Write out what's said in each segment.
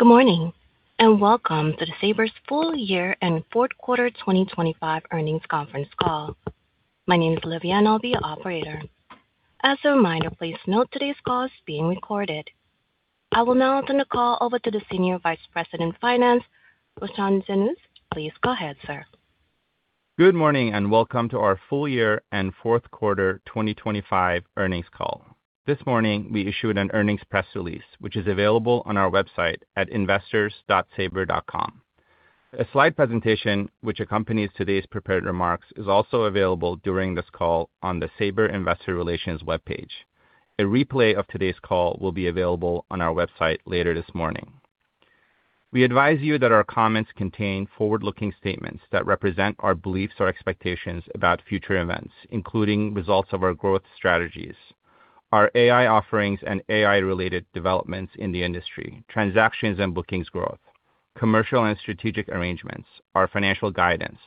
Good morning, and welcome to Sabre's full year and fourth quarter 2025 earnings conference call. My name is Olivia, and I'll be your operator. As a reminder, please note today's call is being recorded. I will now turn the call over to the Senior Vice President of Finance, Roshan Mendis. Please go ahead, sir. Good morning, and welcome to our full year and fourth quarter 2025 earnings call. This morning, we issued an earnings press release, which is available on our website at investors.sabre.com. A slide presentation, which accompanies today's prepared remarks, is also available during this call on the Sabre Investor Relations webpage. A replay of today's call will be available on our website later this morning. We advise you that our comments contain forward-looking statements that represent our beliefs or expectations about future events, including results of our growth strategies, our AI offerings, and AI-related developments in the industry, transactions and bookings growth, commercial and strategic arrangements, our financial guidance,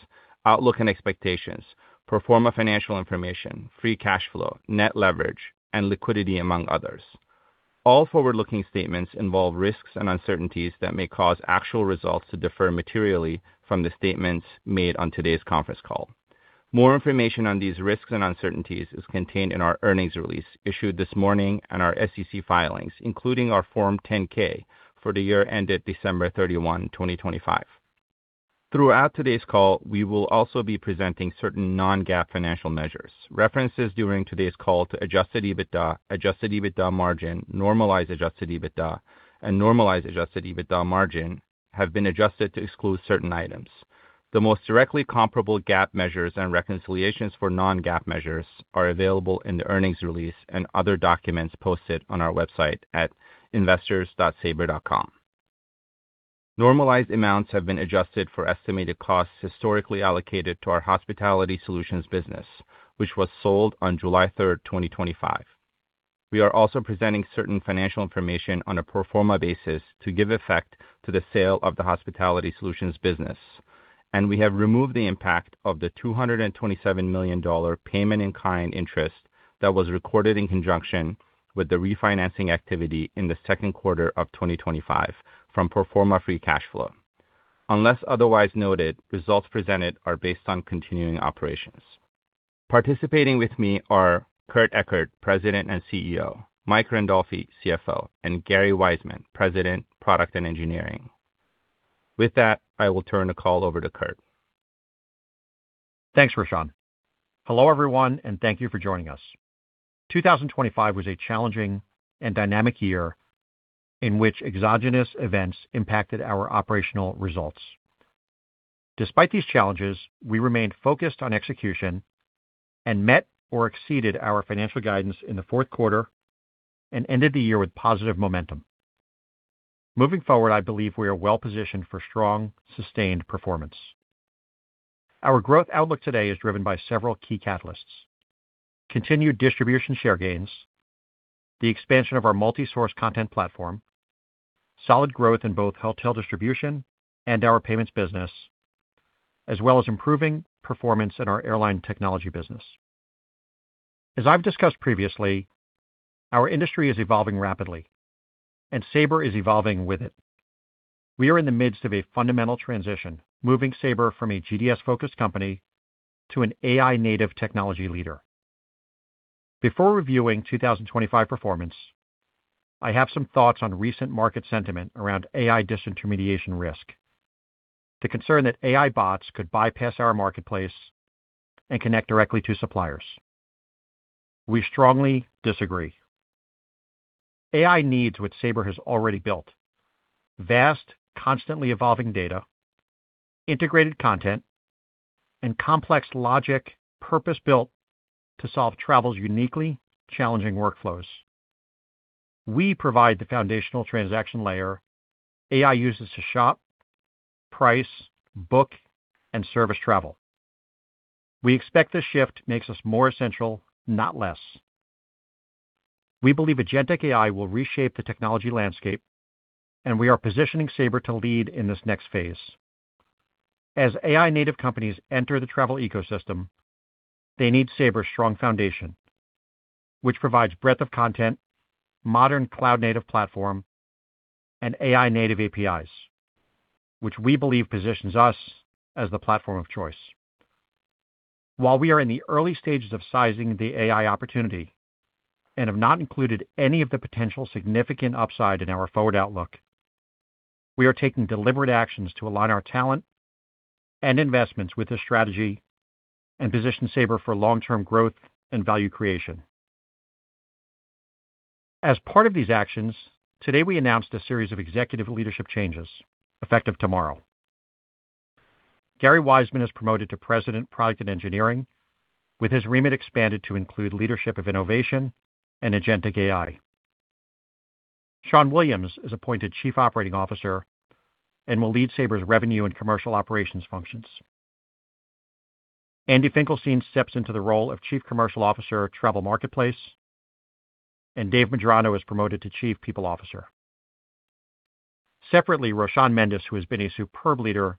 outlook and expectations, pro forma financial information, free cash flow, net leverage, and liquidity, among others. All forward-looking statements involve risks and uncertainties that may cause actual results to differ materially from the statements made on today's conference call. More information on these risks and uncertainties is contained in our earnings release issued this morning and our SEC filings, including our Form 10-K for the year ended December 31, 2025. Throughout today's call, we will also be presenting certain non-GAAP financial measures. References during today's call to Adjusted EBITDA, Adjusted EBITDA margin, normalized Adjusted EBITDA, and normalized Adjusted EBITDA margin have been adjusted to exclude certain items. The most directly comparable GAAP measures and reconciliations for non-GAAP measures are available in the earnings release and other documents posted on our website at investors.sabre.com. Normalized amounts have been adjusted for estimated costs historically allocated to our Hospitality Solutions business, which was sold on July 3, 2025. We are also presenting certain financial information on a pro forma basis to give effect to the sale of the Hospitality Solutions business, and we have removed the impact of the $227 million payment in-kind interest that was recorded in conjunction with the refinancing activity in the second quarter of 2025 from pro forma free cash flow. Unless otherwise noted, results presented are based on continuing operations. Participating with me are Kurt Ekert, President and CEO, Mike Randolfi, CFO, and Garry Wiseman, President, Product and Engineering. With that, I will turn the call over to Kurt. Thanks, Roshan. Hello, everyone, and thank you for joining us. 2025 was a challenging and dynamic year in which exogenous events impacted our operational results. Despite these challenges, we remained focused on execution and met or exceeded our financial guidance in the fourth quarter and ended the year with positive momentum. Moving forward, I believe we are well-positioned for strong, sustained performance. Our growth outlook today is driven by several key catalysts: continued distribution share gains, the expansion of our multi-source content platform, solid growth in both hotel distribution and our payments business, as well as improving performance in our airline technology business. As I've discussed previously, our industry is evolving rapidly, and Sabre is evolving with it. We are in the midst of a fundamental transition, moving Sabre from a GDS-focused company to an AI-native technology leader. Before reviewing 2025 performance, I have some thoughts on recent market sentiment around AI disintermediation risk. The concern that AI bots could bypass our marketplace and connect directly to suppliers. We strongly disagree. AI needs what Sabre has already built, vast, constantly evolving data, integrated content, and complex logic, purpose-built to solve travel's uniquely challenging workflows. We provide the foundational transaction layer AI uses to shop, price, book, and service travel. We expect this shift makes us more essential, not less. We believe agentic AI will reshape the technology landscape, and we are positioning Sabre to lead in this next phase. As AI-native companies enter the travel ecosystem, they need Sabre's strong foundation, which provides breadth of content, modern cloud-native platform, and AI-native APIs, which we believe positions us as the platform of choice. While we are in the early stages of sizing the AI opportunity and have not included any of the potential significant upside in our forward outlook, we are taking deliberate actions to align our talent and investments with this strategy and position Sabre for long-term growth and value creation. As part of these actions, today we announced a series of executive leadership changes effective tomorrow. Garry Wiseman is promoted to President, Product, and Engineering, with his remit expanded to include leadership of innovation and agentic AI. Sean Williams is appointed Chief Operating Officer and will lead Sabre's revenue and commercial operations functions. Andy Finkelstein steps into the role of Chief Commercial Officer, Travel Marketplace, and Dave Medrano is promoted to Chief People Officer. Separately, Roshan Mendis, who has been a superb leader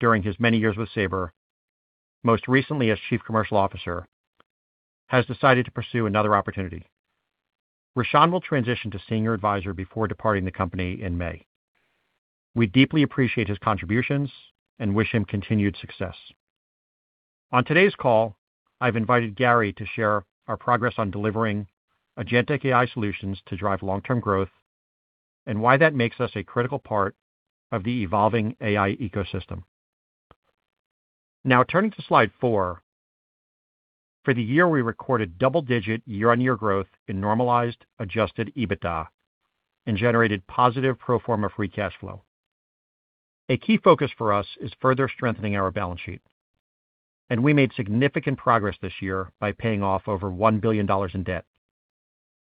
during his many years with Sabre, most recently as Chief Commercial Officer, has decided to pursue another opportunity. Roshan will transition to senior advisor before departing the company in May. We deeply appreciate his contributions and wish him continued success. On today's call, I've invited Garry to share our progress on delivering agentic AI solutions to drive long-term growth and why that makes us a critical part of the evolving AI ecosystem. Now turning to slide 4. For the year, we recorded double-digit year-on-year growth in normalized Adjusted EBITDA and generated positive pro forma free cash flow. A key focus for us is further strengthening our balance sheet, and we made significant progress this year by paying off over $1 billion in debt,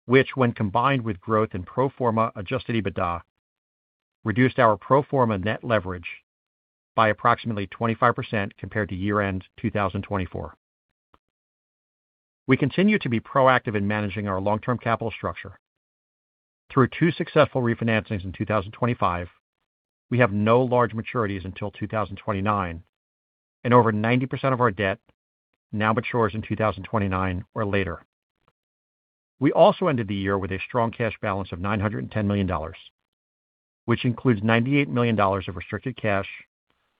which, when combined with growth in pro forma Adjusted EBITDA, reduced our pro forma net leverage by approximately 25% compared to year-end 2024. We continue to be proactive in managing our long-term capital structure. Through two successful refinancings in 2025, we have no large maturities until 2029, and over 90% of our debt now matures in 2029 or later. We also ended the year with a strong cash balance of $910 million, which includes $98 million of restricted cash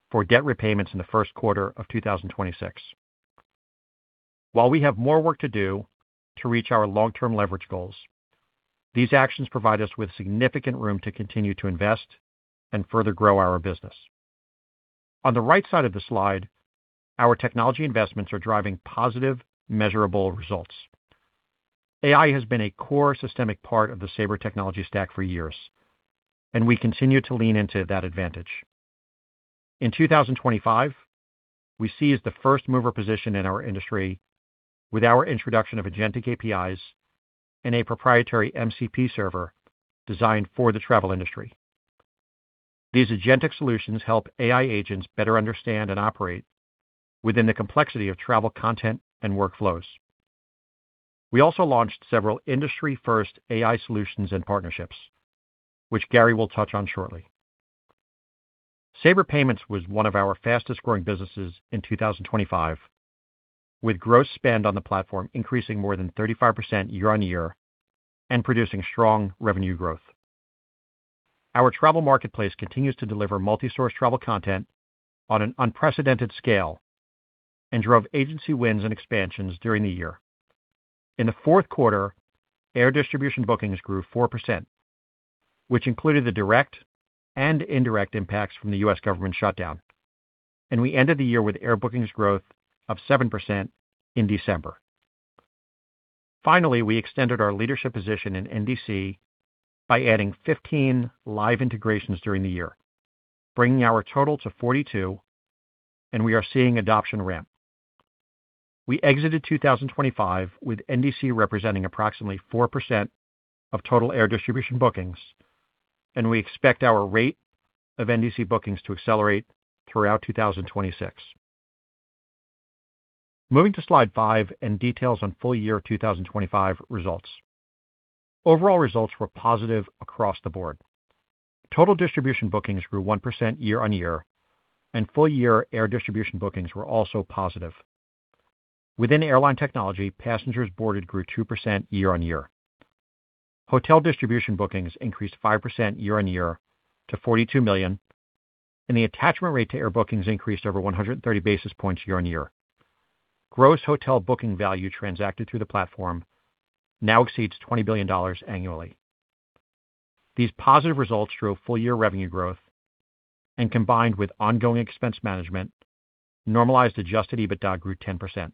for debt repayments in the first quarter of 2026. While we have more work to do to reach our long-term leverage goals, these actions provide us with significant room to continue to invest and further grow our business. On the right side of the slide, our technology investments are driving positive, measurable results. AI has been a core systemic part of the Sabre technology stack for years, and we continue to lean into that advantage. In 2025, we seized the first mover position in our industry with our introduction of agentic APIs and a proprietary MCP server designed for the travel industry. These agentic solutions help AI agents better understand and operate within the complexity of travel content and workflows. We also launched several industry-first AI solutions and partnerships, which Garry will touch on shortly. Sabre Payments was one of our fastest-growing businesses in 2025, with gross spend on the platform increasing more than 35% year-on-year and producing strong revenue growth. Our travel marketplace continues to deliver multi-source travel content on an unprecedented scale and drove agency wins and expansions during the year. In the fourth quarter, air distribution bookings grew 4%, which included the direct and indirect impacts from the US government shutdown, and we ended the year with air bookings growth of 7% in December. Finally, we extended our leadership position in NDC by adding 15 live integrations during the year, bringing our total to 42, and we are seeing adoption ramp. We exited 2025 with NDC representing approximately 4% of total air distribution bookings, and we expect our rate of NDC bookings to accelerate throughout 2026. Moving to slide 5 and details on full year 2025 results. Overall results were positive across the board. Total distribution bookings grew 1% year-on-year, and full year air distribution bookings were also positive. Within airline technology, passengers boarded grew 2% year-on-year. Hotel distribution bookings increased 5% year-on-year to 42 million, and the attachment rate to air bookings increased over 130 basis points year-on-year. Gross hotel booking value transacted through the platform now exceeds $20 billion annually. These positive results drove full year revenue growth and, combined with ongoing expense management, normalized Adjusted EBITDA grew 10%.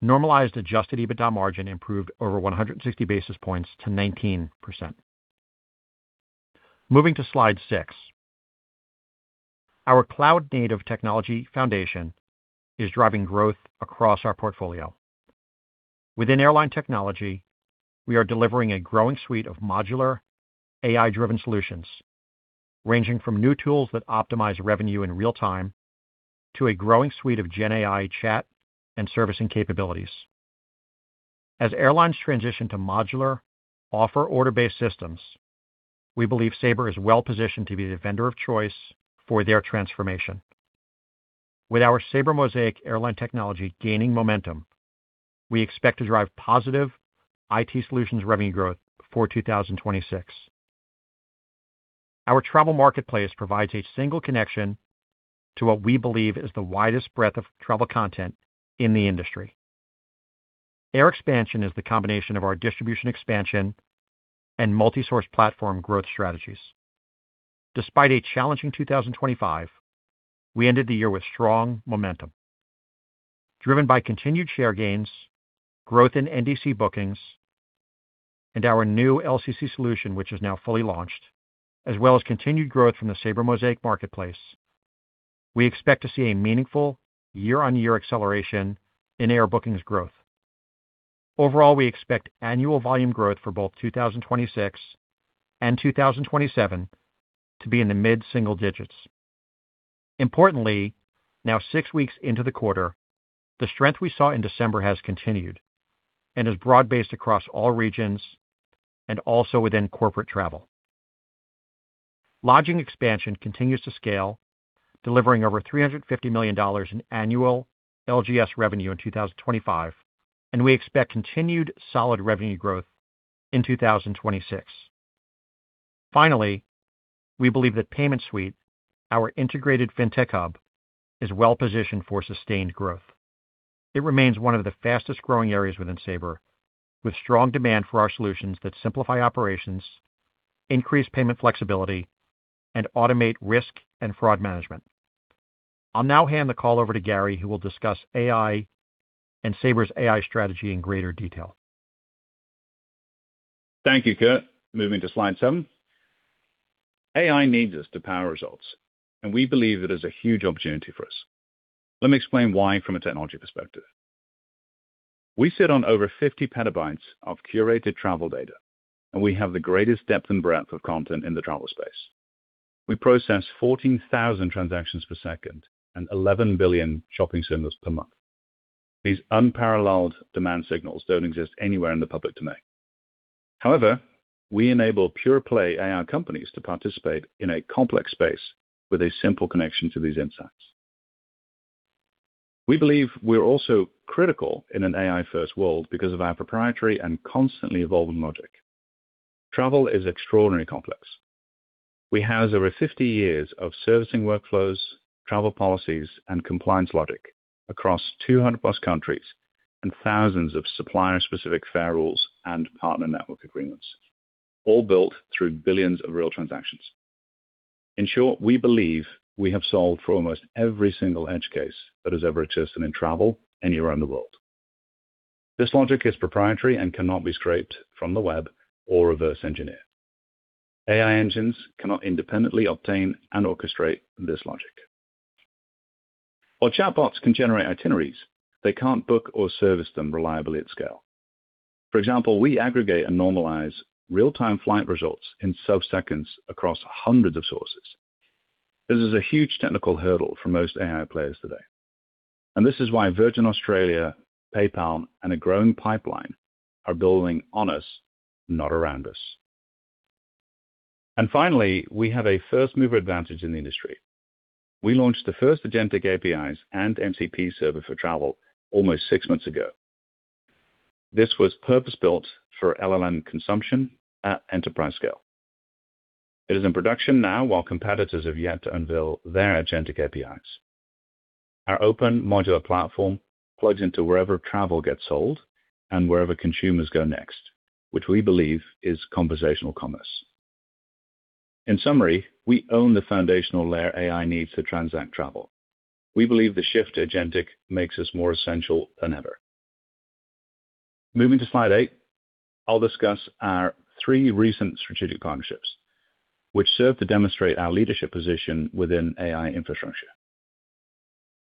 Normalized Adjusted EBITDA margin improved over 160 basis points to 19%. Moving to slide 6. Our cloud-native technology foundation is driving growth across our portfolio. Within airline technology, we are delivering a growing suite of modular AI-driven solutions, ranging from new tools that optimize revenue in real time to a growing suite of GenAI chat and servicing capabilities. As airlines transition to modular offer order-based systems, we believe Sabre is well positioned to be the vendor of choice for their transformation. With our Sabre Mosaic airline technology gaining momentum, we expect to drive positive IT solutions revenue growth for 2026. Our travel marketplace provides a single connection to what we believe is the widest breadth of travel content in the industry. Air expansion is the combination of our distribution expansion and multi-source platform growth strategies. Despite a challenging 2025, we ended the year with strong momentum, driven by continued share gains, growth in NDC bookings, and our new LCC solution, which is now fully launched, as well as continued growth from the Sabre Mosaic marketplace. We expect to see a meaningful year-on-year acceleration in air bookings growth. Overall, we expect annual volume growth for both 2026 and 2027 to be in the mid-single digits. Importantly, now, six weeks into the quarter, the strength we saw in December has continued and is broad-based across all regions and also within corporate travel. Lodging expansion continues to scale, delivering over $350 million in annual LGS revenue in 2025, and we expect continued solid revenue growth in 2026. Finally, we believe that Payment Suite, our integrated fintech hub, is well positioned for sustained growth. It remains one of the fastest growing areas within Sabre, with strong demand for our solutions that simplify operations, increase payment flexibility, and automate risk and fraud management. I'll now hand the call over to Garry, who will discuss AI and Sabre's AI strategy in greater detail. Thank you, Kurt. Moving to slide 7. AI needs us to power results, and we believe it is a huge opportunity for us. Let me explain why from a technology perspective. We sit on over 50 PB of curated travel data, and we have the greatest depth and breadth of content in the travel space. We process 14,000 transactions per second and 11 billion shopping signals per month. These unparalleled demand signals don't exist anywhere in the public domain. However, we enable pure play AI companies to participate in a complex space with a simple connection to these insights. We believe we're also critical in an AI-first world because of our proprietary and constantly evolving logic. Travel is extraordinarily complex. We house over 50 years of servicing workflows, travel policies, and compliance logic across 200+ countries and thousands of supplier-specific fare rules and partner network agreements, all built through billions of real transactions. In short, we believe we have solved for almost every single edge case that has ever existed in travel anywhere in the world. This logic is proprietary and cannot be scraped from the web or reverse engineered. AI engines cannot independently obtain and orchestrate this logic. While chatbots can generate itineraries, they can't book or service them reliably at scale. For example, we aggregate and normalize real-time flight results in sub-seconds across hundreds of sources. This is a huge technical hurdle for most AI players today, and this is why Virgin Australia, PayPal, and a growing pipeline are building on us, not around us. And finally, we have a first-mover advantage in the industry. We launched the first agentic APIs and MCP server for travel almost 6 months ago. This was purpose-built for LLM consumption at enterprise scale. It is in production now, while competitors have yet to unveil their agentic APIs. Our open modular platform plugs into wherever travel gets sold and wherever consumers go next, which we believe is conversational commerce. In summary, we own the foundational layer AI needs to transact travel. We believe the shift to agentic makes us more essential than ever. Moving to slide 8, I'll discuss our 3 recent strategic partnerships, which serve to demonstrate our leadership position within AI infrastructure.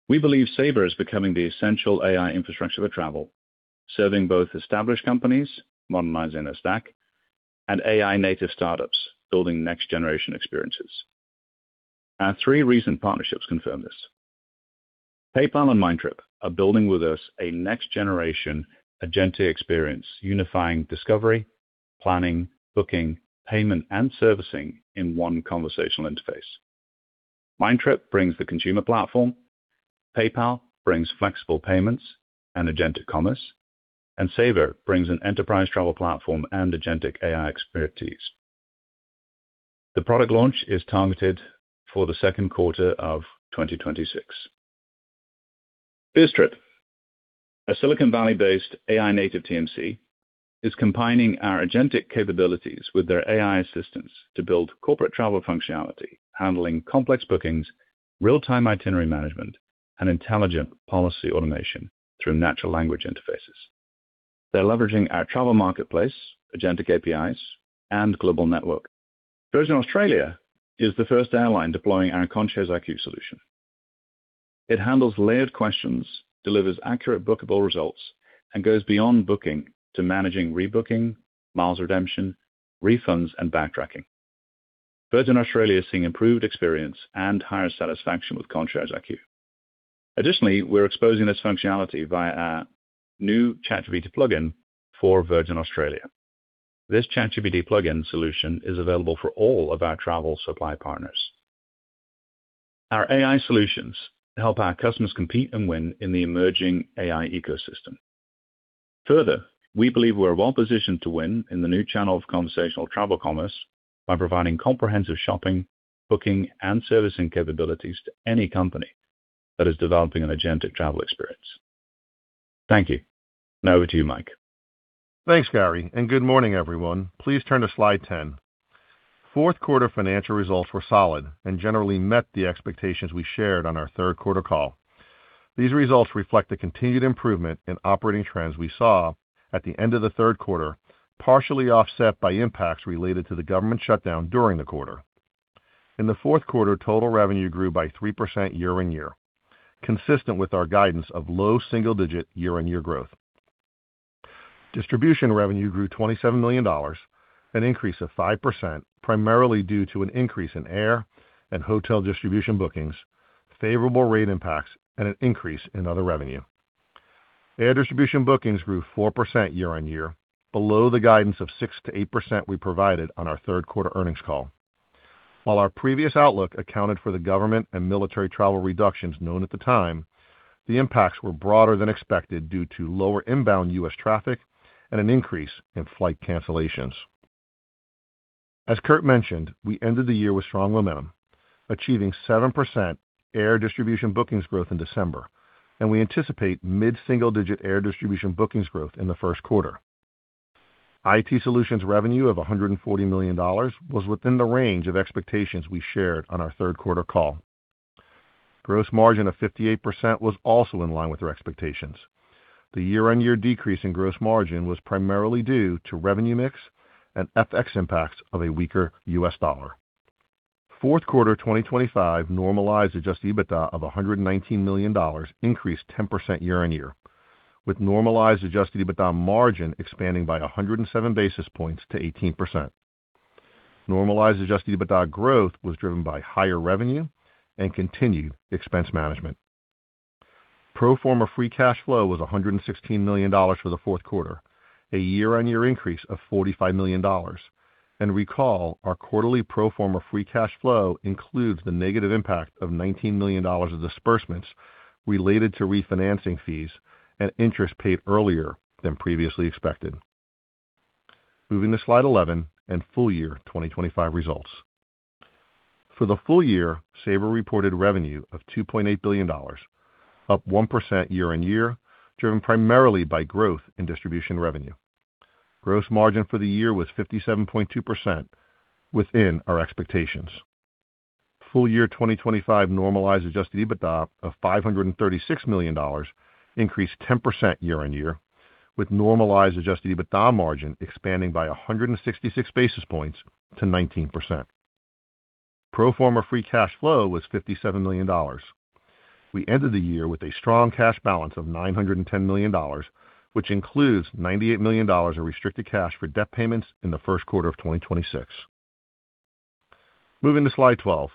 We believe Sabre is becoming the essential AI infrastructure for travel, serving both established companies, modernizing their stack, and AI-native startups building next-generation experiences. Our 3 recent partnerships confirm this. PayPal and Mindtrip are building with us a next-generation agentic experience, unifying discovery, planning, booking, payment, and servicing in one conversational interface. Mindtrip brings the consumer platform, PayPal brings flexible payments and agentic commerce, and Sabre brings an enterprise travel platform and agentic AI expertise. The product launch is targeted for the second quarter of 2026. BizTrip, a Silicon Valley-based AI-native TMC, is combining our agentic capabilities with their AI assistance to build corporate travel functionality, handling complex bookings, real-time itinerary management, and intelligent policy automation through natural language interfaces. They're leveraging our travel marketplace, agentic APIs, and global network. Virgin Australia is the first airline deploying our Concierge IQ solution. It handles layered questions, delivers accurate bookable results, and goes beyond booking to managing rebooking, miles redemption, refunds, and backtracking. Virgin Australia is seeing improved experience and higher satisfaction with Concierge IQ. Additionally, we're exposing this functionality via our new ChatGPT plugin for Virgin Australia. This ChatGPT plugin solution is available for all of our travel supply partners. Our AI solutions help our customers compete and win in the emerging AI ecosystem. Further, we believe we're well positioned to win in the new channel of conversational travel commerce by providing comprehensive shopping, booking, and servicing capabilities to any company that is developing an agentic travel experience. Thank you. Now over to you, Mike. Thanks, Garry, and good morning, everyone. Please turn to slide 10. Fourth quarter financial results were solid and generally met the expectations we shared on our third quarter call. These results reflect the continued improvement in operating trends we saw at the end of the third quarter, partially offset by impacts related to the government shutdown during the quarter. In the fourth quarter, total revenue grew by 3% year-on-year, consistent with our guidance of low single-digit year-on-year growth. Distribution revenue grew $27 million, an increase of 5%, primarily due to an increase in air and hotel distribution bookings, favorable rate impacts, and an increase in other revenue.... Air distribution bookings grew 4% year-on-year, below the guidance of 6%-8% we provided on our third quarter earnings call. While our previous outlook accounted for the government and military travel reductions known at the time, the impacts were broader than expected due to lower inbound US traffic and an increase in flight cancellations. As Kurt mentioned, we ended the year with strong momentum, achieving 7% air distribution bookings growth in December, and we anticipate mid-single-digit air distribution bookings growth in the first quarter. IT solutions revenue of $140 million was within the range of expectations we shared on our third quarter call. Gross margin of 58% was also in line with our expectations. The year-on-year decrease in gross margin was primarily due to revenue mix and FX impacts of a weaker US dollar. Fourth quarter 2025 normalized Adjusted EBITDA of $119 million increased 10% year-on-year, with normalized Adjusted EBITDA margin expanding by 107 basis points to 18%. Normalized Adjusted EBITDA growth was driven by higher revenue and continued expense management. Pro forma free cash flow was $116 million for the fourth quarter, a year-on-year increase of $45 million. And recall, our quarterly pro forma free cash flow includes the negative impact of $19 million of disbursements related to refinancing fees and interest paid earlier than previously expected. Moving to slide 11 and full year 2025 results. For the full year, Sabre reported revenue of $2.8 billion, up 1% year-on-year, driven primarily by growth in distribution revenue. Gross margin for the year was 57.2% within our expectations. Full year 2025 normalized Adjusted EBITDA of $536 million increased 10% year-on-year, with normalized Adjusted EBITDA margin expanding by 166 basis points to 19%. Pro forma free cash flow was $57 million. We ended the year with a strong cash balance of $910 million, which includes $98 million in restricted cash for debt payments in the first quarter of 2026. Moving to slide 12.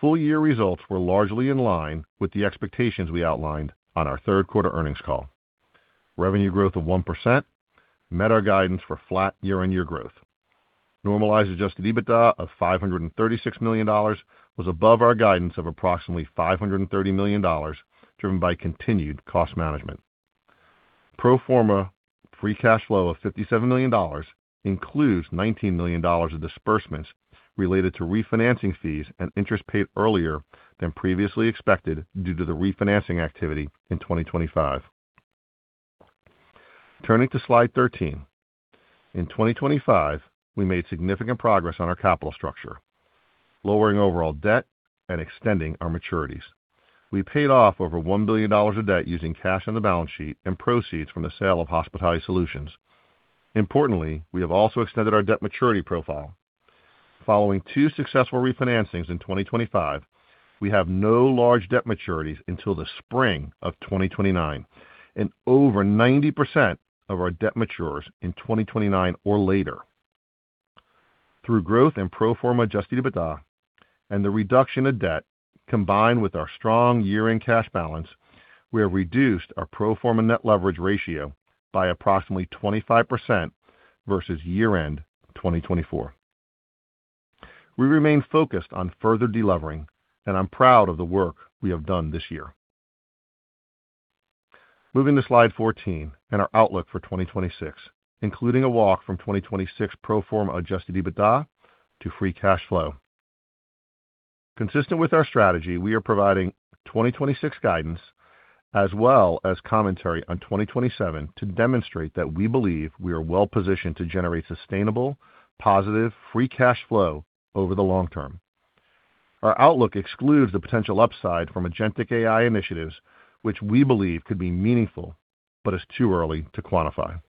Full year results were largely in line with the expectations we outlined on our third quarter earnings call. Revenue growth of 1% met our guidance for flat year-on-year growth. Normalized Adjusted EBITDA of $536 million was above our guidance of approximately $530 million, driven by continued cost management. Pro forma free cash flow of $57 million includes $19 million of disbursements related to refinancing fees and interest paid earlier than previously expected due to the refinancing activity in 2025. Turning to slide 13. In 2025, we made significant progress on our capital structure, lowering overall debt and extending our maturities. We paid off over $1 billion of debt using cash on the balance sheet and proceeds from the sale of Hospitality Solutions. Importantly, we have also extended our debt maturity profile. Following two successful refinancings in 2025, we have no large debt maturities until the spring of 2029, and over 90% of our debt matures in 2029 or later. Through growth in pro forma Adjusted EBITDA and the reduction of debt, combined with our strong year-end cash balance, we have reduced our pro forma net leverage ratio by approximately 25% versus year-end 2024. We remain focused on further delevering, and I'm proud of the work we have done this year. Moving to slide 14 and our outlook for 2026, including a walk from 2026 pro forma Adjusted EBITDA to free cash flow. Consistent with our strategy, we are providing 2026 guidance as well as commentary on 2027 to demonstrate that we believe we are well positioned to generate sustainable, positive, free cash flow over the long term. Our outlook excludes the potential upside from agentic AI initiatives, which we believe could be meaningful, but it's too early to quantify.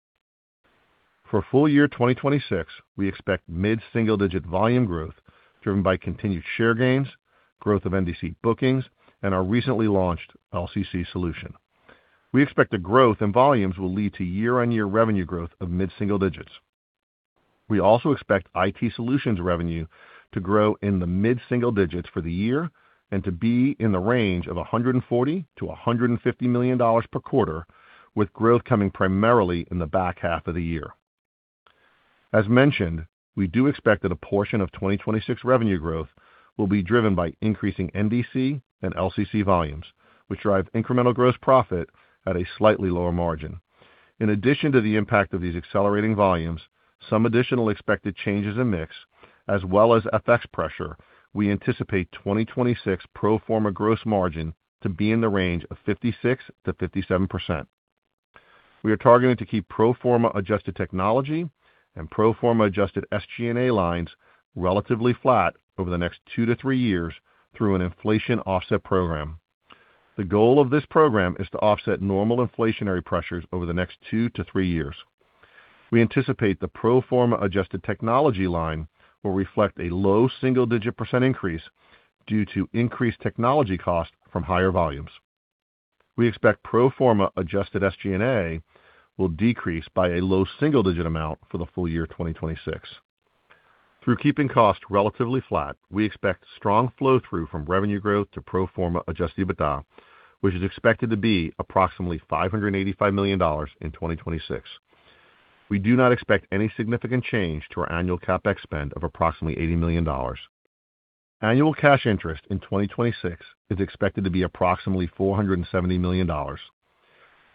For full year 2026, we expect mid-single-digit volume growth, driven by continued share gains, growth of NDC bookings, and our recently launched LCC solution. We expect the growth in volumes will lead to year-on-year revenue growth of mid-single digits. We also expect IT solutions revenue to grow in the mid-single digits for the year and to be in the range of $140 million-$150 million per quarter, with growth coming primarily in the back half of the year. As mentioned, we do expect that a portion of 2026 revenue growth will be driven by increasing NDC and LCC volumes, which drive incremental gross profit at a slightly lower margin. In addition to the impact of these accelerating volumes, some additional expected changes in mix as well as FX pressure, we anticipate 2026 pro forma gross margin to be in the range of 56%-57%. We are targeting to keep pro forma adjusted technology and pro forma Adjusted SG&A lines relatively flat over the next 2-3 years through an inflation offset program. The goal of this program is to offset normal inflationary pressures over the next 2-3 years. We anticipate the pro forma adjusted technology line will reflect a low single-digit % increase due to increased technology costs from higher volumes. We expect pro forma Adjusted SG&A will decrease by a low single-digit amount for the full year 2026.... Through keeping costs relatively flat, we expect strong flow-through from revenue growth to pro forma Adjusted EBITDA, which is expected to be approximately $585 million in 2026. We do not expect any significant change to our annual CapEx spend of approximately $80 million. Annual cash interest in 2026 is expected to be approximately $470 million.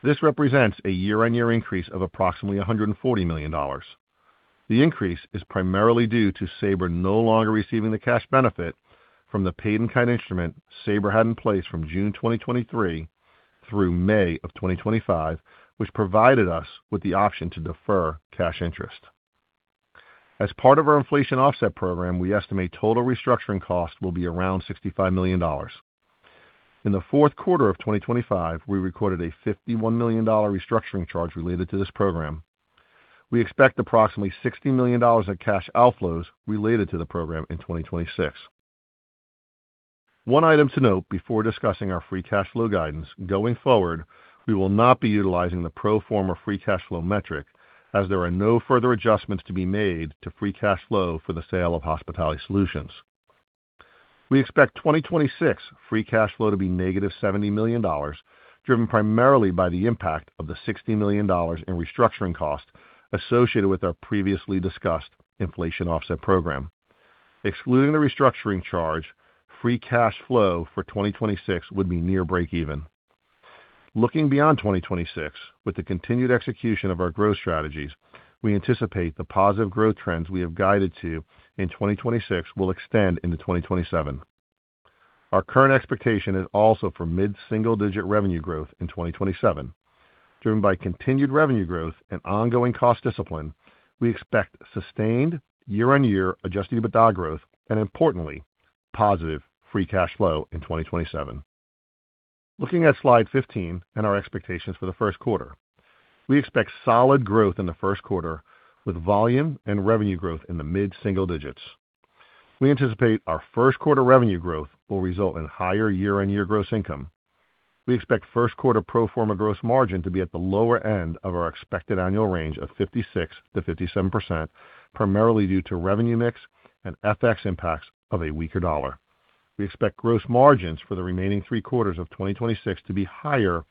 This represents a year-on-year increase of approximately $140 million. The increase is primarily due to Sabre no longer receiving the cash benefit from the paid-in-kind instrument Sabre had in place from June 2023 through May of 2025, which provided us with the option to defer cash interest. As part of our inflation offset program, we estimate total restructuring costs will be around $65 million. In the fourth quarter of 2025, we recorded a $51 million restructuring charge related to this program. We expect approximately $60 million of cash outflows related to the program in 2026. One item to note before discussing our free cash flow guidance, going forward, we will not be utilizing the pro forma free cash flow metric as there are no further adjustments to be made to free cash flow for the sale of Hospitality Solutions. We expect 2026 free cash flow to be -$70 million, driven primarily by the impact of the $60 million in restructuring costs associated with our previously discussed inflation offset program. Excluding the restructuring charge, free cash flow for 2026 would be near breakeven. Looking beyond 2026, with the continued execution of our growth strategies, we anticipate the positive growth trends we have guided to in 2026 will extend into 2027. Our current expectation is also for mid-single-digit revenue growth in 2027, driven by continued revenue growth and ongoing cost discipline. We expect sustained year-on-year Adjusted EBITDA growth and, importantly, positive free cash flow in 2027. Looking at slide 15 and our expectations for the first quarter. We expect solid growth in the first quarter, with volume and revenue growth in the mid-single digits. We anticipate our first quarter revenue growth will result in higher year-on-year gross income. We expect first quarter pro forma gross margin to be at the lower end of our expected annual range of 56%-57%, primarily due to revenue mix and FX impacts of a weaker dollar. We expect gross margins for the remaining 3 quarters of 2026 to be higher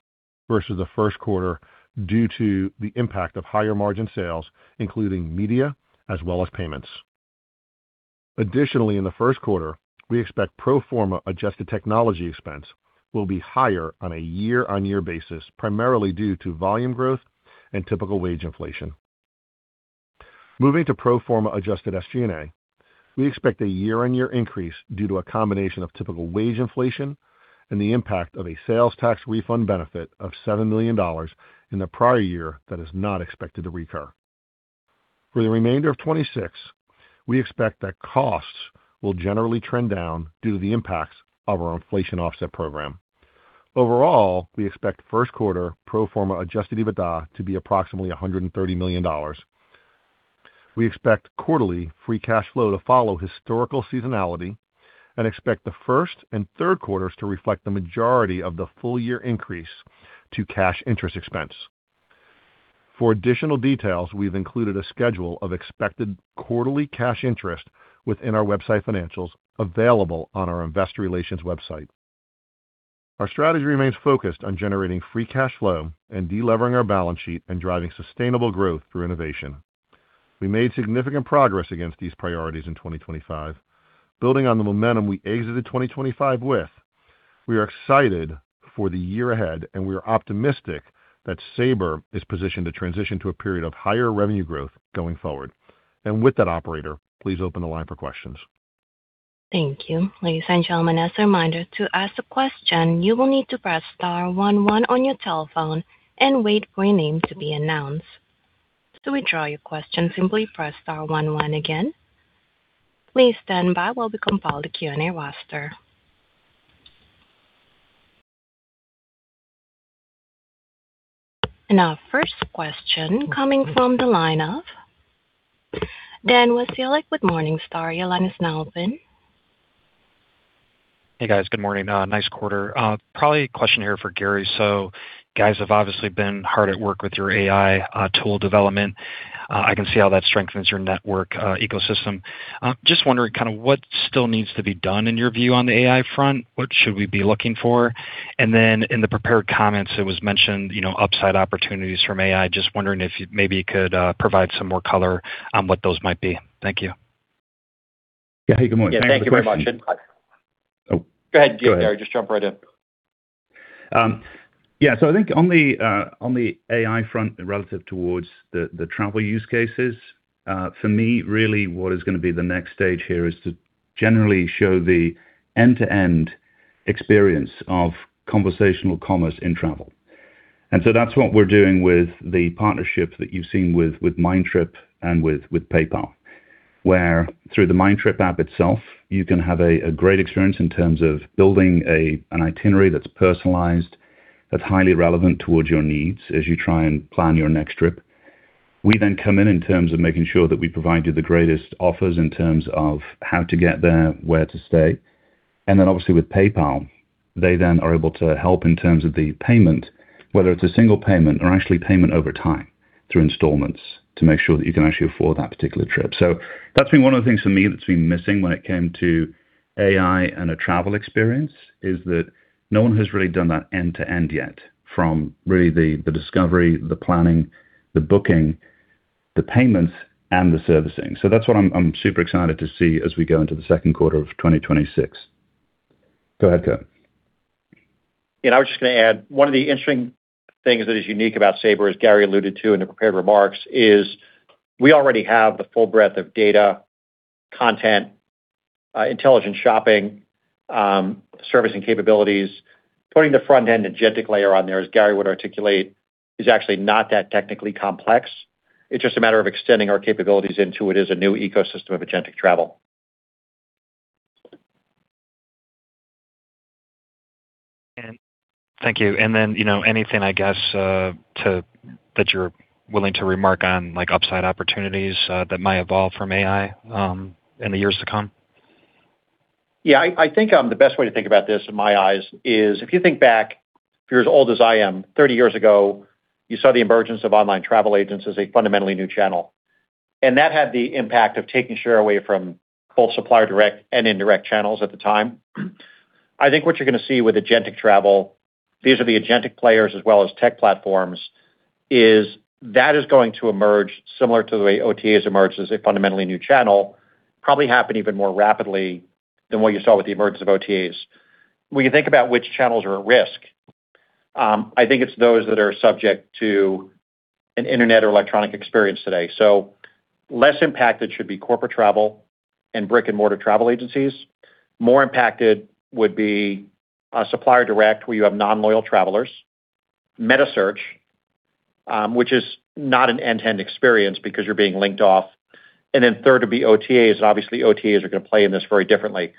versus the first quarter due to the impact of higher margin sales, including media as well as payments. Additionally, in the first quarter, we expect pro forma adjusted technology expense will be higher on a year-on-year basis, primarily due to volume growth and typical wage inflation. Moving to pro forma Adjusted SG&A, we expect a year-on-year increase due to a combination of typical wage inflation and the impact of a sales tax refund benefit of $7 million in the prior year that is not expected to recur. For the remainder of 2026, we expect that costs will generally trend down due to the impacts of our inflation offset program. Overall, we expect first quarter pro forma Adjusted EBITDA to be approximately $130 million. We expect quarterly free cash flow to follow historical seasonality and expect the first and third quarters to reflect the majority of the full year increase to cash interest expense. For additional details, we've included a schedule of expected quarterly cash interest within our website financials, available on our investor relations website. Our strategy remains focused on generating free cash flow and delevering our balance sheet and driving sustainable growth through innovation. We made significant progress against these priorities in 2025. Building on the momentum we exited 2025 with, we are excited for the year ahead, and we are optimistic that Sabre is positioned to transition to a period of higher revenue growth going forward. With that, operator, please open the line for questions. Thank you, ladies and gentlemen. As a reminder, to ask a question, you will need to press star one one on your telephone and wait for your name to be announced. To withdraw your question, simply press star one one again. Please stand by while we compile the Q&A roster. Our first question coming from the line of Dan Wasiolek. Morningstar. Your line is now open. Hey, guys. Good morning. Nice quarter. Probably a question here for Garry. So guys have obviously been hard at work with your AI tool development. I can see how that strengthens your network ecosystem. Just wondering kind of what still needs to be done in your view, on the AI front, what should we be looking for? And then in the prepared comments, it was mentioned, you know, upside opportunities from AI. Just wondering if you maybe could provide some more color on what those might be. Thank you. Yeah. Hey, good morning- Thank you very much. Oh. Go ahead, Garry. Just jump right in. Yeah. So I think on the AI front, relative towards the travel use cases, for me, really what is going to be the next stage here is to generally show the end-to-end experience of conversational commerce in travel. And so that's what we're doing with the partnership that you've seen with Mindtrip and with PayPal, where through the Mindtrip app itself, you can have a great experience in terms of building an itinerary that's personalized, that's highly relevant towards your needs as you try and plan your next trip. We then come in terms of making sure that we provide you the greatest offers in terms of how to get there, where to stay. ...Then obviously with PayPal, they then are able to help in terms of the payment, whether it's a single payment or actually payment over time through installments, to make sure that you can actually afford that particular trip. So that's been one of the things for me that's been missing when it came to AI and a travel experience, is that no one has really done that end-to-end yet, from really the discovery, the planning, the booking, the payments, and the servicing. So that's what I'm super excited to see as we go into the second quarter of 2026. Go ahead, Kurt. Yeah, I was just gonna add, one of the interesting things that is unique about Sabre, as Garry alluded to in the prepared remarks, is we already have the full breadth of data, content, intelligent shopping, servicing capabilities. Putting the front-end agentic layer on there, as Garry would articulate, is actually not that technically complex. It's just a matter of extending our capabilities into it as a new ecosystem of agentic travel. And thank you. And then, you know, anything, I guess, to that you're willing to remark on, like, upside opportunities that might evolve from AI in the years to come? Yeah, I think, the best way to think about this in my eyes is, if you think back, if you're as old as I am, 30 years ago, you saw the emergence of online travel agents as a fundamentally new channel. And that had the impact of taking share away from both supplier direct and indirect channels at the time. I think what you're gonna see with agentic travel, these are the agentic players as well as tech platforms, is that it is going to emerge similar to the way OTAs emerged as a fundamentally new channel, probably happen even more rapidly than what you saw with the emergence of OTAs. When you think about which channels are at risk, I think it's those that are subject to an internet or electronic experience today. So less impacted should be corporate travel and brick-and-mortar travel agencies. More impacted would be, supplier direct, where you have non-loyal travelers. Metasearch, which is not an end-to-end experience because you're being linked off. And then third, would be OTAs. Obviously, OTAs are gonna play in this very differently.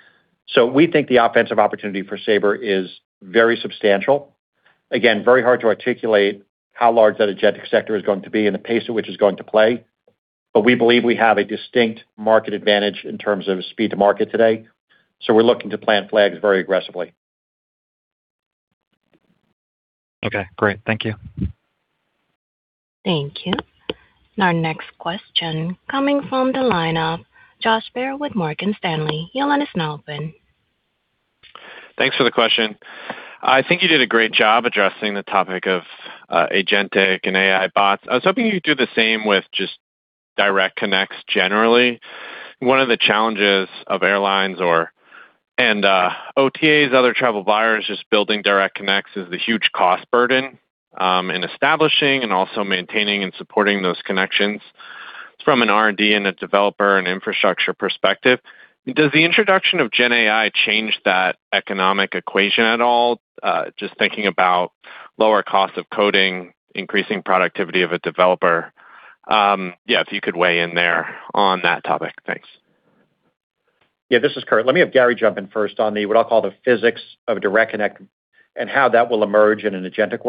So we think the offensive opportunity for Sabre is very substantial. Again, very hard to articulate how large that agentic sector is going to be and the pace at which it's going to play, but we believe we have a distinct market advantage in terms of speed to market today, so we're looking to plant flags very aggressively. Okay, great. Thank you. Thank you. Our next question coming from the line of Josh Baer with Morgan Stanley. You'll let us know, open. Thanks for the question. I think you did a great job addressing the topic of agentic and AI bots. I was hoping you'd do the same with just direct connects generally. One of the challenges of airlines and OTAs, other travel buyers, just building direct connects is the huge cost burden in establishing and also maintaining and supporting those connections. From an R&D and a developer and infrastructure perspective, does the introduction of GenAI change that economic equation at all? Just thinking about lower costs of coding, increasing productivity of a developer. Yeah, if you could weigh in there on that topic. Thanks. Yeah, this is Kurt. Let me have Garry jump in first on the, what I'll call, the physics of a direct connect and how that will emerge in an agentic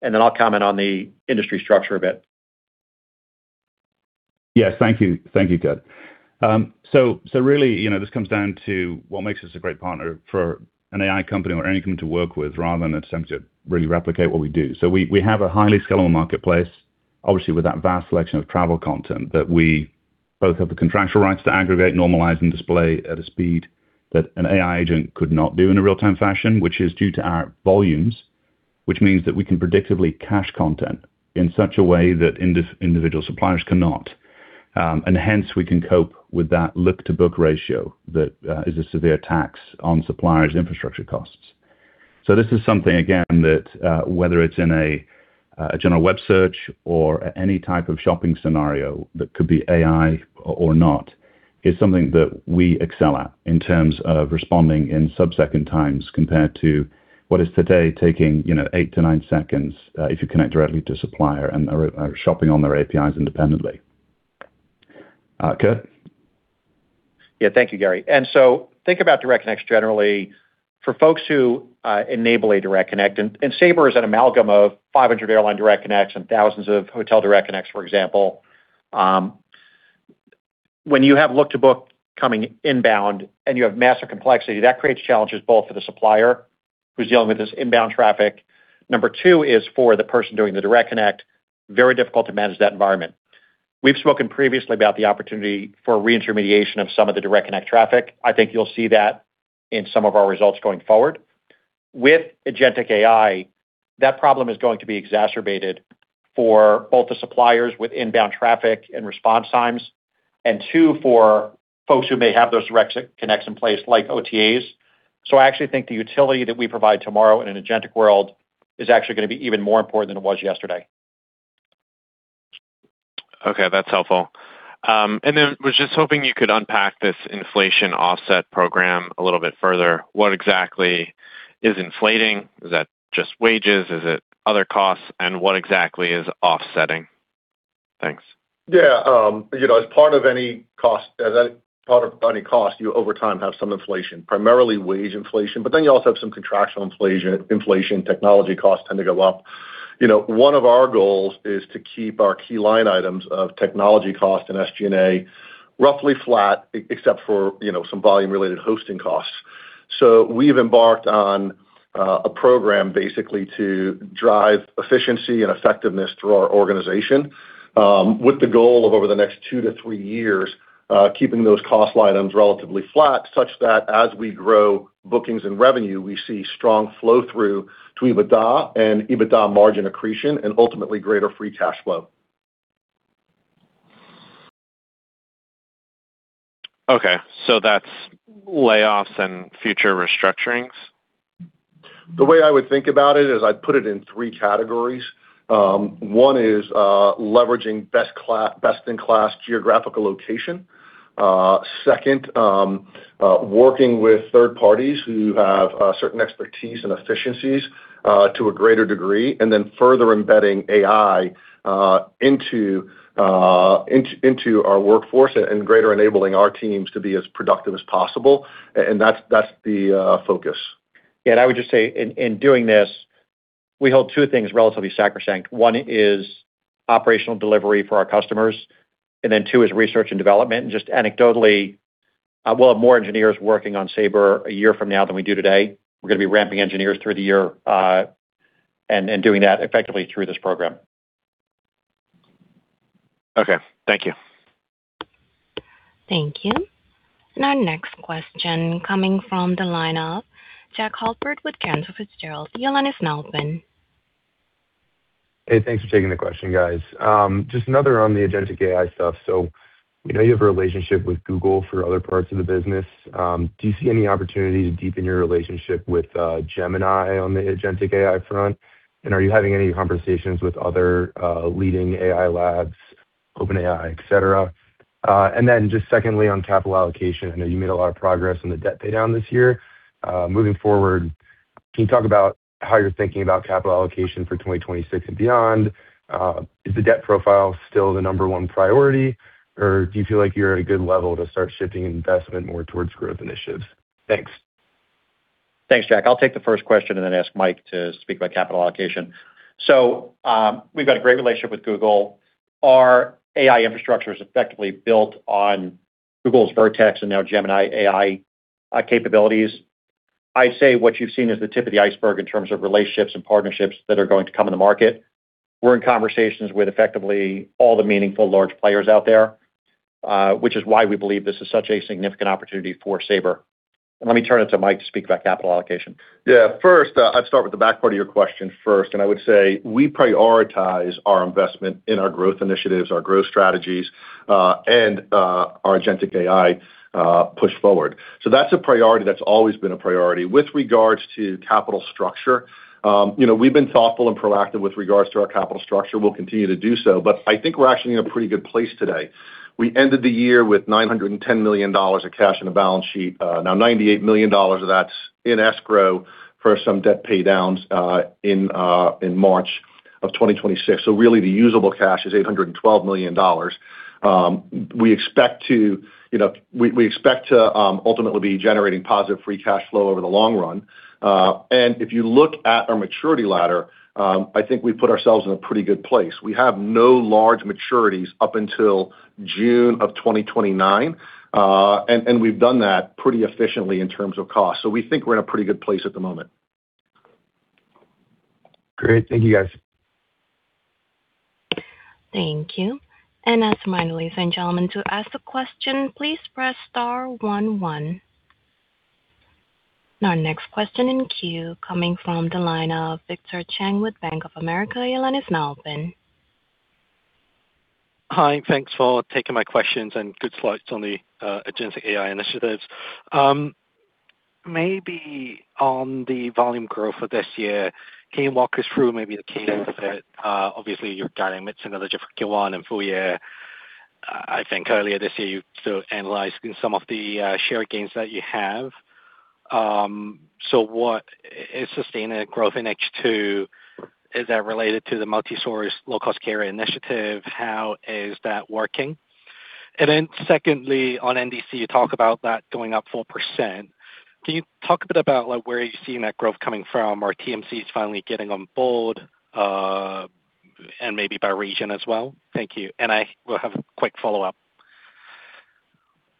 world, and then I'll comment on the industry structure a bit. Yes. Thank you. Thank you, Kurt. So, so really, you know, this comes down to what makes us a great partner for an AI company or any company to work with, rather than attempt to really replicate what we do. So we, we have a highly scalable marketplace, obviously, with that vast selection of travel content that we both have the contractual rights to aggregate, normalize, and display at a speed that an AI agent could not do in a real-time fashion, which is due to our volumes, which means that we can predictably cache content in such a way that individual suppliers cannot. And hence, we can cope with that look-to-book ratio that is a severe tax on suppliers' infrastructure costs. So this is something, again, that, whether it's in a general web search or any type of shopping scenario that could be AI or not, is something that we excel at in terms of responding in sub-second times compared to what is today taking, you know, 8-9 seconds, if you connect directly to supplier and are shopping on their APIs independently. Kurt? Yeah. Thank you, Garry. And so think about direct connects generally. For folks who enable a direct connect, and Sabre is an amalgam of 500 airline direct connects and thousands of hotel direct connects, for example. When you have look-to-book coming inbound and you have massive complexity, that creates challenges both for the supplier, who's dealing with this inbound traffic. Number two is for the person doing the direct connect, very difficult to manage that environment. We've spoken previously about the opportunity for reintermediation of some of the direct connect traffic. I think you'll see that in some of our results going forward. With agentic AI, that problem is going to be exacerbated for both the suppliers with inbound traffic and response times, and two, for folks who may have those direct connects in place, like OTAs. So I actually think the utility that we provide tomorrow in an agentic world is actually gonna be even more important than it was yesterday. Okay, that's helpful. And then was just hoping you could unpack this inflation offset program a little bit further. What exactly is inflating? Is that just wages? Is it other costs, and what exactly is offsetting? Thanks. Yeah, you know, as part of any cost, as a part of any cost, you over time have some inflation, primarily wage inflation, but then you also have some contractual inflation, technology costs tend to go up.... You know, one of our goals is to keep our key line items of technology cost and SG&A roughly flat, except for, you know, some volume-related hosting costs. So we've embarked on a program basically to drive efficiency and effectiveness through our organization, with the goal of over the next 2-3 years keeping those cost items relatively flat, such that as we grow bookings and revenue, we see strong flow-through to EBITDA and EBITDA margin accretion, and ultimately greater free cash flow. Okay, so that's layoffs and future restructurings? The way I would think about it is I'd put it in three categories. One is leveraging best-in-class geographical location. Second, working with third parties who have certain expertise and efficiencies to a greater degree, and then further embedding AI into our workforce and greater enabling our teams to be as productive as possible. And that's the focus. Yeah, and I would just say, in doing this, we hold two things relatively sacrosanct. One is operational delivery for our customers, and then two is research and development. And just anecdotally, we'll have more engineers working on Sabre a year from now than we do today. We're gonna be ramping engineers through the year, and doing that effectively through this program. Okay, thank you. Thank you. And our next question coming from the line of Jack Halpert with Cantor Fitzgerald. Your line is now open. Hey, thanks for taking the question, guys. Just another on the agentic AI stuff. So we know you have a relationship with Google for other parts of the business. Do you see any opportunity to deepen your relationship with, Gemini on the agentic AI front? And are you having any conversations with other, leading AI labs, OpenAI, et cetera? And then just secondly, on capital allocation, I know you made a lot of progress on the debt paydown this year. Moving forward, can you talk about how you're thinking about capital allocation for 2026 and beyond? Is the debt profile still the number one priority, or do you feel like you're at a good level to start shifting investment more towards growth initiatives? Thanks. Thanks, Jack. I'll take the first question and then ask Mike to speak about capital allocation. So, we've got a great relationship with Google. Our AI infrastructure is effectively built on Google's Vertex and now Gemini AI capabilities. I'd say what you've seen is the tip of the iceberg in terms of relationships and partnerships that are going to come in the market. We're in conversations with effectively all the meaningful large players out there, which is why we believe this is such a significant opportunity for Sabre. Let me turn it to Mike to speak about capital allocation. Yeah. First, I'd start with the back part of your question first, and I would say we prioritize our investment in our growth initiatives, our growth strategies, and, our agentic AI, push forward. So that's a priority, that's always been a priority. With regards to capital structure, you know, we've been thoughtful and proactive with regards to our capital structure. We'll continue to do so, but I think we're actually in a pretty good place today. We ended the year with $910 million of cash on the balance sheet. Now $98 million of that's in escrow for some debt paydowns, in March of 2026. So really, the usable cash is $812 million. We expect to, you know, we, we expect to ultimately be generating positive free cash flow over the long run. And if you look at our maturity ladder, I think we put ourselves in a pretty good place. We have no large maturities up until June of 2029, and we've done that pretty efficiently in terms of cost. So we think we're in a pretty good place at the moment. Great. Thank you, guys. Thank you. As a reminder, ladies and gentlemen, to ask a question, please press star one, one. Our next question in queue coming from the line of Victor Cheng with Bank of America. Your line is now open. Hi, thanks for taking my questions, and good slides on the Agentic AI initiatives. Maybe on the volume growth for this year, can you walk us through maybe the case that, obviously, you're guiding mid-single digit for Q1 and full year. I think earlier this year, you sort of analyzed some of the share gains that you have. So what is sustainable growth in H2? Is that related to the multisource low-cost carrier initiative? How is that working? And then secondly, on NDC, you talk about that going up 4%. Can you talk a bit about, like, where are you seeing that growth coming from? Are TMCs finally getting on board, and maybe by region as well? Thank you. And I will have a quick follow-up.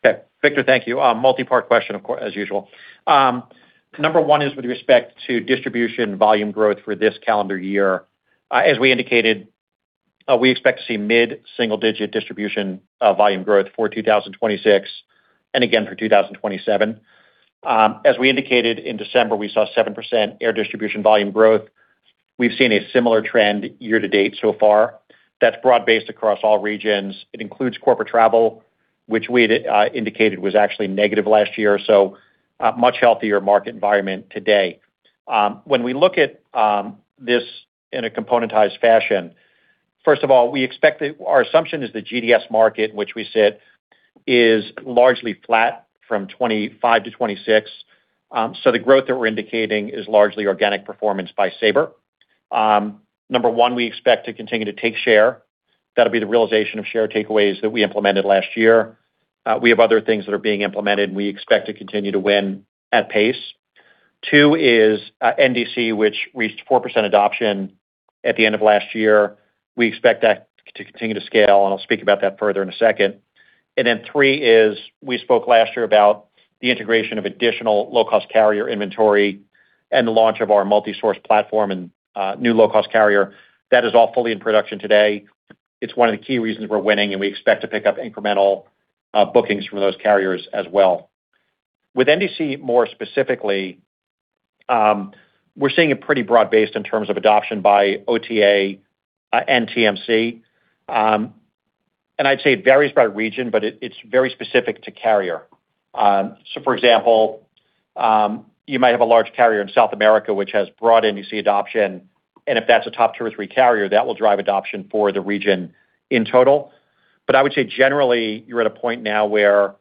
Okay, Victor, thank you. Multipart question, of course, as usual. Number one is with respect to distribution volume growth for this calendar year. As we indicated, we expect to see mid-single-digit distribution volume growth for 2026 and again for 2027. As we indicated in December, we saw 7% air distribution volume growth. We've seen a similar trend year to date so far. That's broad-based across all regions. It includes corporate travel, which we had indicated was actually negative last year, so a much healthier market environment today. When we look at this in a componentized fashion, first of all, our assumption is the GDS market, in which we sit, is largely flat from 2025 to 2026. So the growth that we're indicating is largely organic performance by Sabre. Number 1, we expect to continue to take share. That'll be the realization of share takeaways that we implemented last year. We have other things that are being implemented, and we expect to continue to win at pace. 2 is, NDC, which reached 4% adoption at the end of last year. We expect that to continue to scale, and I'll speak about that further in a second. And then 3 is, we spoke last year about the integration of additional low-cost carrier inventory and the launch of our multi-source platform and new low-cost carrier. That is all fully in production today. It's one of the key reasons we're winning, and we expect to pick up incremental bookings from those carriers as well. With NDC, more specifically, we're seeing it pretty broad-based in terms of adoption by OTA and TMC. And I'd say it varies by region, but it's very specific to carrier. So for example, you might have a large carrier in South America which has broad NDC adoption, and if that's a top two or three carrier, that will drive adoption for the region in total. But I would say generally, you're at a point now where,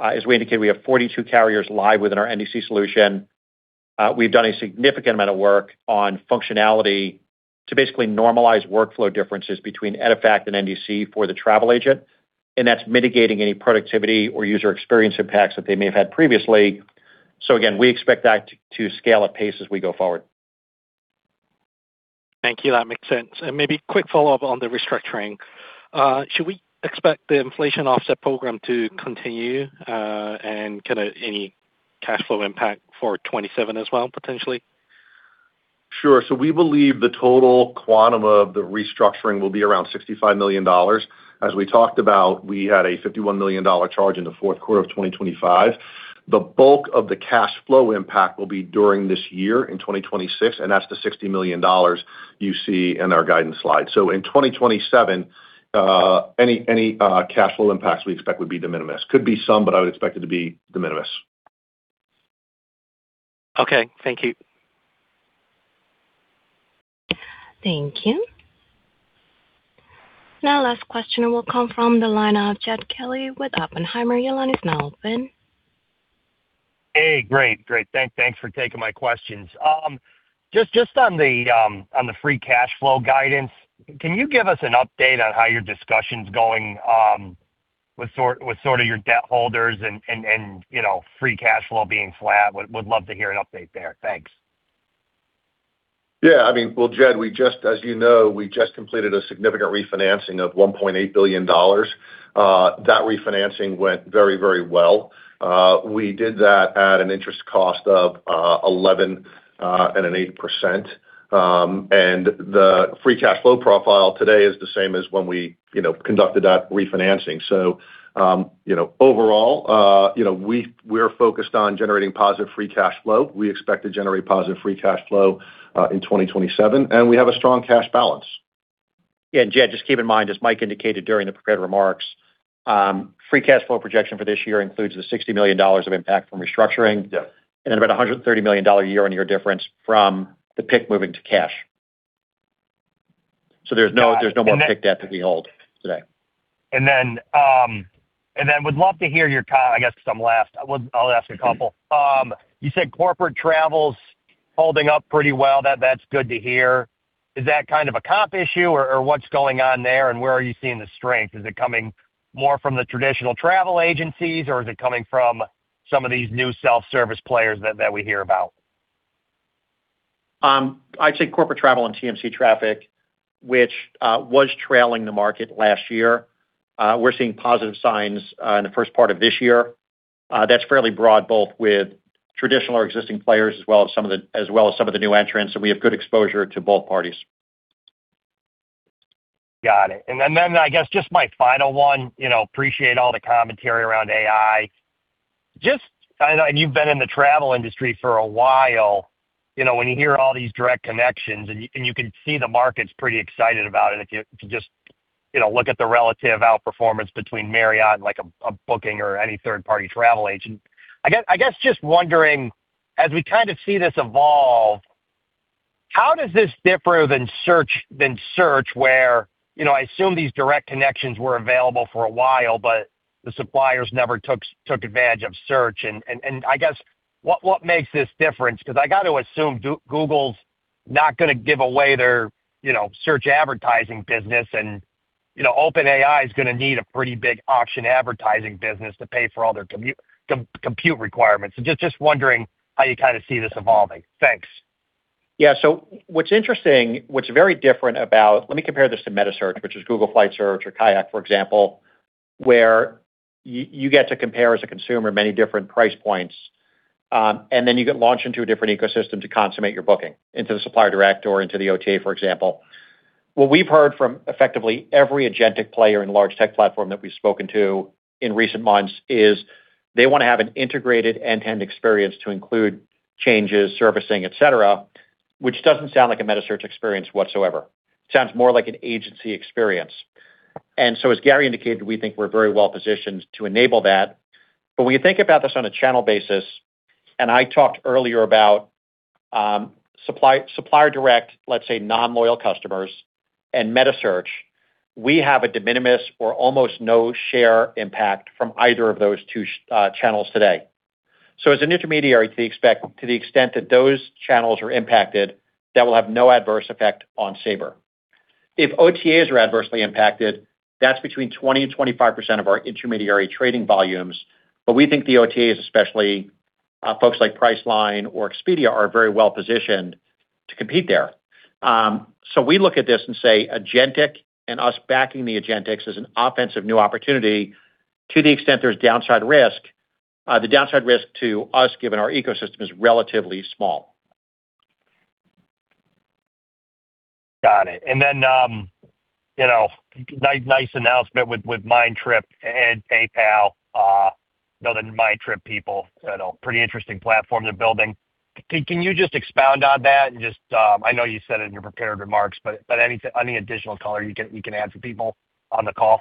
as we indicated, we have 42 carriers live within our NDC solution. We've done a significant amount of work on functionality to basically normalize workflow differences between EDIFACT and NDC for the travel agent, and that's mitigating any productivity or user experience impacts that they may have had previously. So again, we expect that to scale at pace as we go forward. Thank you. That makes sense. And maybe quick follow-up on the restructuring. Should we expect the inflation offset program to continue, and kind of any cash flow impact for 2027 as well, potentially? Sure. So we believe the total quantum of the restructuring will be around $65 million. As we talked about, we had a $51 million charge in the fourth quarter of 2025. The bulk of the cash flow impact will be during this year, in 2026, and that's the $60 million you see in our guidance slide. So in 2027, any, any, cash flow impacts we expect would be de minimis. Could be some, but I would expect it to be de minimis. Okay, thank you. Thank you. Now, last question will come from the line of Jed Kelly with Oppenheimer. Your line is now open. Hey, great. Great, thanks for taking my questions. Just on the free cash flow guidance, can you give us an update on how your discussion's going with sort of your debt holders and, you know, free cash flow being flat? Would love to hear an update there. Thanks. Yeah, I mean, well, Jed, as you know, we just completed a significant refinancing of $1.8 billion. That refinancing went very, very well. We did that at an interest cost of 11.8%. And the free cash flow profile today is the same as when we, you know, conducted that refinancing. So, you know, overall, you know, we're focused on generating positive free cash flow. We expect to generate positive free cash flow in 2027, and we have a strong cash balance. Yeah, Jed, just keep in mind, as Mike indicated during the prepared remarks, free cash flow projection for this year includes the $60 million of impact from restructuring- Yeah. and about $130 million year-on-year difference from the PIK moving to cash. So there's no, there's no more PIK debt to be held today. And then I guess, since I'm last, I'll ask a couple. You said corporate travel's holding up pretty well. That's good to hear. Is that kind of a comp issue, or what's going on there, and where are you seeing the strength? Is it coming more from the traditional travel agencies, or is it coming from some of these new self-service players that we hear about? I'd say corporate travel and TMC traffic, which was trailing the market last year, we're seeing positive signs in the first part of this year. That's fairly broad, both with traditional or existing players, as well as some of the new entrants, so we have good exposure to both parties. Got it. And then, I guess just my final one, you know, appreciate all the commentary around AI. Just... I know and you've been in the travel industry for a while. You know, when you hear all these direct connections, and you can see the market's pretty excited about it, if you just, you know, look at the relative outperformance between Marriott and, like, a booking or any third-party travel agent. I guess just wondering, as we kind of see this evolve, how does this differ than search, where, you know, I assume these direct connections were available for a while, but the suppliers never took advantage of search? And I guess, what makes this different? Because I got to assume Google's not gonna give away their, you know, search advertising business, and, you know, OpenAI is gonna need a pretty big auction advertising business to pay for all their compute requirements. So just wondering how you kind of see this evolving. Thanks. Yeah, so what's interesting, what's very different about... Let me compare this to metasearch, which is Google Flight Search or Kayak, for example, where you get to compare, as a consumer, many different price points, and then you get launched into a different ecosystem to consummate your booking, into the supplier direct or into the OTA, for example. What we've heard from effectively every agentic player and large tech platform that we've spoken to in recent months is, they wanna have an integrated end-to-end experience to include changes, servicing, et cetera, which doesn't sound like a metasearch experience whatsoever. Sounds more like an agency experience. And so, as Garry indicated, we think we're very well positioned to enable that. When you think about this on a channel basis, and I talked earlier about supply-supplier direct, let's say, non-loyal customers and metasearch, we have a de minimis or almost no share impact from either of those two channels today. As an intermediary, to the extent that those channels are impacted, that will have no adverse effect on Sabre. If OTAs are adversely impacted, that's between 20% and 25% of our intermediary trading volumes, but we think the OTAs, especially folks like Priceline or Expedia, are very well positioned to compete there. We look at this and say, agentic and us backing the agentics is an offensive new opportunity. To the extent there's downside risk, the downside risk to us, given our ecosystem, is relatively small. Got it. And then, you know, nice announcement with Mindtrip and PayPal. I know the Mindtrip people, so pretty interesting platform they're building. Can you just expound on that? Just, I know you said it in your prepared remarks, but any additional color you can add for people on the call?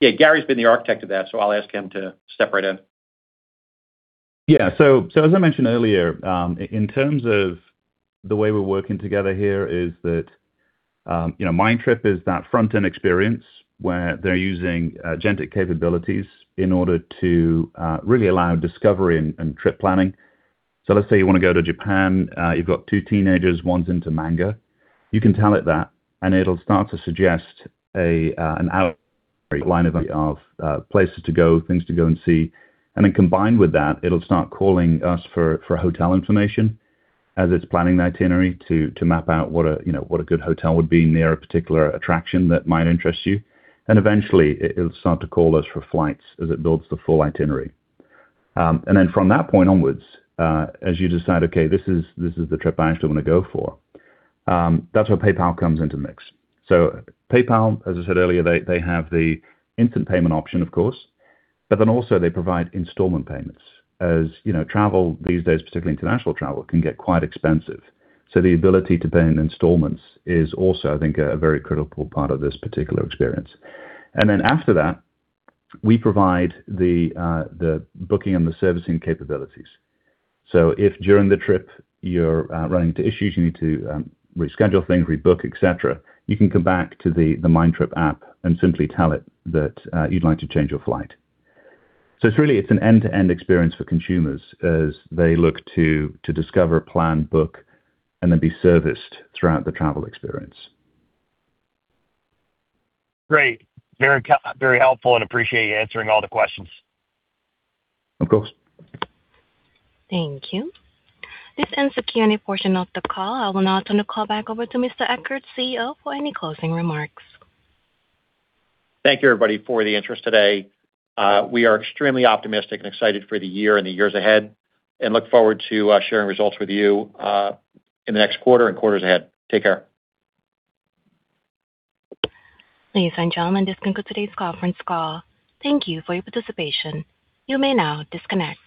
Yeah, Garry's been the architect of that, so I'll ask him to step right in. Yeah. So, as I mentioned earlier, in terms of the way we're working together here is that, you know, Mindtrip is that front-end experience where they're using agentic capabilities in order to really allow discovery and trip planning. So let's say you wanna go to Japan, you've got two teenagers, one's into manga. You can tell it that, and it'll start to suggest an outline of places to go, things to go and see. And then combined with that, it'll start calling us for hotel information as it's planning the itinerary to map out what, you know, a good hotel would be near a particular attraction that might interest you. And eventually, it'll start to call us for flights as it builds the full itinerary. And then from that point onwards, as you decide, "Okay, this is, this is the trip I actually wanna go for," that's where PayPal comes into the mix. So PayPal, as I said earlier, they, they have the instant payment option, of course, but then also they provide installment payments. As you know, travel these days, particularly international travel, can get quite expensive. So the ability to pay in installments is also, I think, a very critical part of this particular experience. And then after that, we provide the, the booking and the servicing capabilities. So if during the trip you're, running into issues, you need to, reschedule things, rebook, et cetera, you can come back to the, the Mindtrip app and simply tell it that, you'd like to change your flight. So it's really an end-to-end experience for consumers as they look to discover, plan, book, and then be serviced throughout the travel experience. Great. Very very helpful, and appreciate you answering all the questions. Of course. Thank you. This ends the Q&A portion of the call. I will now turn the call back over to Mr. Ekert, CEO, for any closing remarks. Thank you, everybody, for the interest today. We are extremely optimistic and excited for the year and the years ahead, and look forward to sharing results with you in the next quarter-and-quarters ahead. Take care. Ladies and gentlemen, this concludes today's conference call. Thank you for your participation. You may now disconnect.